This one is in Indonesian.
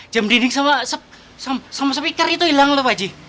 jam dining sama sepikar itu hilang lho pak haji